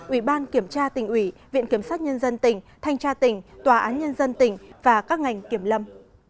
ủy ban kiểm tra tỉnh ủy viện kiểm sát nhân dân tỉnh thanh tra tỉnh tòa án nhân dân tỉnh và các ngành kiểm lâm